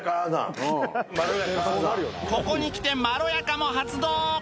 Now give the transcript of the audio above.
ここにきて「まろやか」も発動